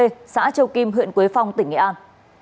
xã châu kim huyện quế phong tỉnh nghệ an